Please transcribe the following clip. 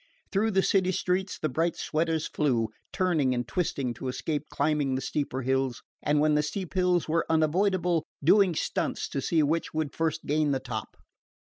Through the city streets the bright sweaters flew, turning and twisting to escape climbing the steeper hills, and, when the steep hills were unavoidable, doing stunts to see which would first gain the top.